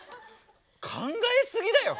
考えすぎだよ。